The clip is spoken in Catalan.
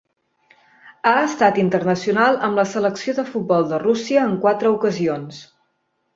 Ha estat internacional amb la Selecció de futbol de Rússia en quatre ocasions.